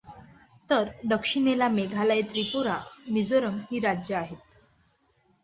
तर दक्षिणेला मेघालय, त्रिपूरा व मिझोरम ही राज्य आहेत.